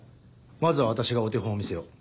まずは私がお手本を見せよう。